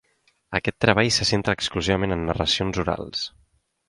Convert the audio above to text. Aquest treball se centra exclusivament en narracions orals.